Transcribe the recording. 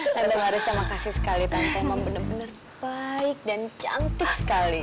nanda marissa makasih sekali tante emang bener bener baik dan cantik sekali